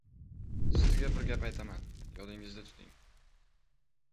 — Sizga bir gap aytaman, yodingizda tuting.